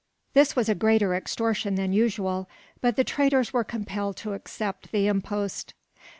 This was a greater extortion than usual; but the traders were compelled to accept the impost.